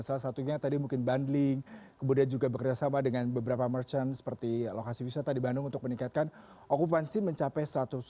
salah satunya tadi mungkin bundling kemudian juga bekerjasama dengan beberapa merchant seperti lokasi wisata di bandung untuk meningkatkan okupansi mencapai satu ratus lima puluh